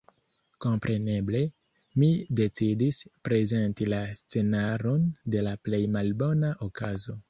Kompreneble, mi decidis prezenti la scenaron de la plej malbona okazo.